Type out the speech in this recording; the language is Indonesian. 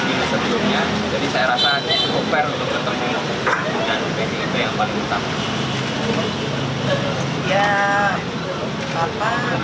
jadi saya rasa cukup fair untuk ketemu dengan pdip yang paling utama